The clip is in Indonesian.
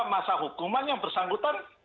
masa hukuman yang bersangkutan